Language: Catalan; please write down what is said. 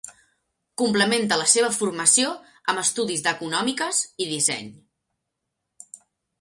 Complementa la seva formació amb estudis d'econòmiques i disseny.